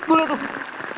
tuh liat tuh